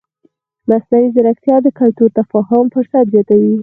مصنوعي ځیرکتیا د کلتوري تفاهم فرصت زیاتوي.